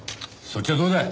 そっちはどうだ？